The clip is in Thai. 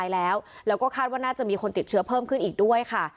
แล้วก็คาดว่าน่าจะมีคนติดเชื้อเพิ่มขึ้นอีกด้วยค่ะ